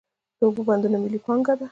د اوبو بندونه ملي پانګه ده.